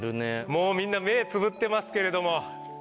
もうみんな目つぶってますけれども。